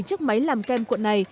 chiếc máy làm kem cuộn này